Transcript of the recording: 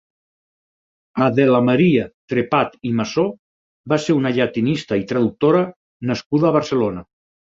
Adela Maria Trepat i Massó va ser una llatinista i traductora nascuda a Barcelona.